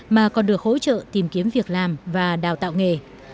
mà còn được hỗ trợ tìm kiếm việc làm và đào tạo nghề